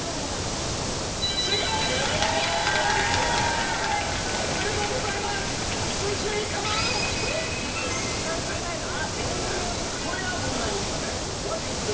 これが問題でしたね。